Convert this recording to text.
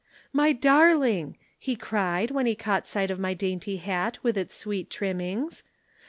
"'My darling!' he cried when he caught sight of my dainty hat with its sweet trimmings.